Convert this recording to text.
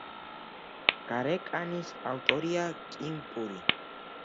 გარეკანის ავტორია კიმ პური.